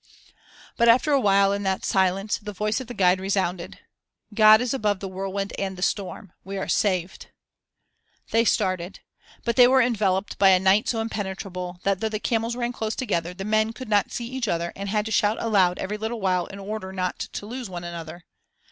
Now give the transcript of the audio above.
But after a while in that silence the voice of the guide resounded. "God is above the whirlwind and the storm. We are saved." They started. But they were enveloped by a night so impenetrable that though the camels ran close together, the men could not see each other and had to shout aloud every little while in order not to lose one another.